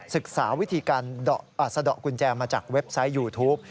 ศึกษาวิธีการสะดอกกุญแจมาจากเว็บไซต์ยูทูป